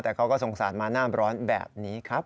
แต่เขาก็สงสารมาหน้าร้อนแบบนี้ครับ